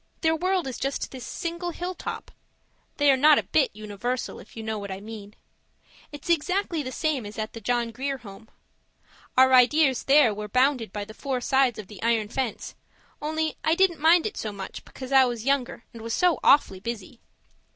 Their world is just this single hilltop. They are not a bit universal, if you know what I mean. It's exactly the same as at the John Grier Home. Our ideas there were bounded by the four sides of the iron fence, only I didn't mind it so much because I was younger, and was so awfully busy.